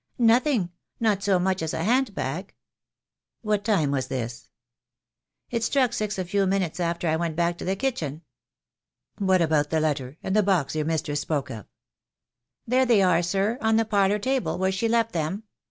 "Nothing. Not so much as a hand bag." "What time was this?" "It struck six a few minutes after I went back to the kitchen." "What about the letter — and the box your mistress spoke of?" "There they are, sir, on the parlour table, where she left them.